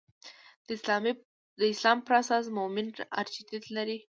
د اسلام پر اساس مومن ارجحیت لري.